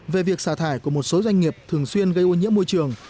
về việc xả thải của một số doanh nghiệp thường xuyên gây ô nhiễm môi trường